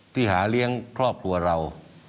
หาเลี้ยงครอบครัวเรา